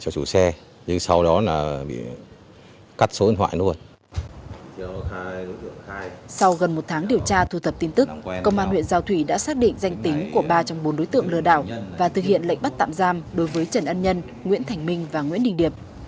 sau gần một tháng điều tra thu thập tin tức công an huyện giao thủy đã xác định danh tính của ba trong bốn đối tượng lừa đảo và thực hiện lệnh bắt tạm giam đối với trần ân nhân nguyễn thành minh và nguyễn đình điệp